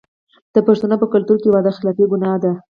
د پښتنو په کلتور کې وعده خلافي ګناه ده.